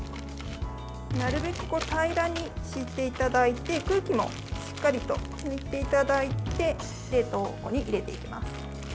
なるべく平らにしていただいて空気もしっかりと抜いていただいて冷凍庫に入れていきます。